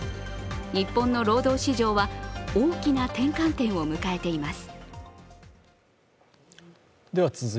日本の労働市場は大きな転換点を迎えています。